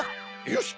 よし！